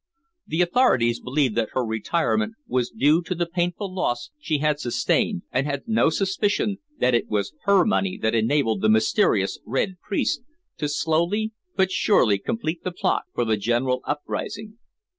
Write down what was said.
The authorities believed that her retirement was due to the painful loss she had sustained, and had no suspicion that it was her money that enabled the mysterious "Red Priest" to slowly but surely complete the plot for the general uprising.